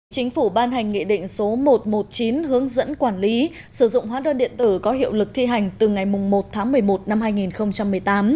chính phủ ban hành nghị định số một trăm một mươi chín hướng dẫn quản lý sử dụng hóa đơn điện tử có hiệu lực thi hành từ ngày một tháng một mươi một năm hai nghìn một mươi tám